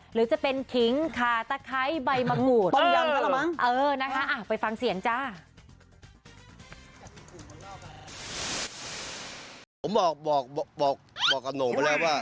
ผมบอกกับหนูไปแล้วว่า